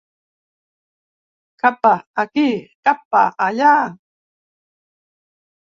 Kappa aquí kappa allà...